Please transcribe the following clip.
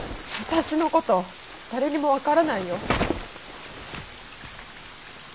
私のこと誰にも分からないよ。